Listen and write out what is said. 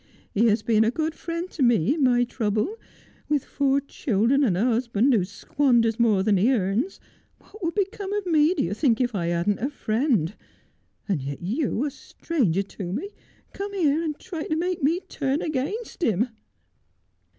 ' He has been a good friend to me iu my trouble ; with four children, and a husband who squanders more than he earns, what would become of me, do you think, if I hadn't a friend i and yet you, a stranger to me, come here and try to make me turn against him.'